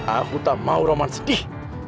aku tak mau rahman sedih